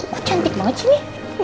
kok cantik banget sih ini